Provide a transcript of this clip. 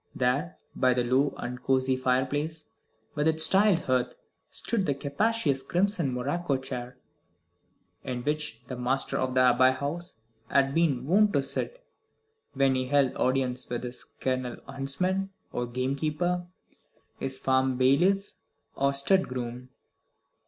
There, by the low and cosy fireplace, with its tiled hearth, stood the capacious crimson morocco chair, in which the master of the Abbey House had been wont to sit when he held audience with his kennel huntsman, or gamekeeper, his farm bailiff, or stud groom.